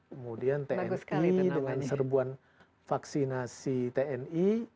kemudian tni dengan serbuan vaksinasi tni